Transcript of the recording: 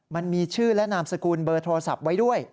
มันมีชื่อและนามสกุลเบอร์โทรศัพท์ไว้ด้วย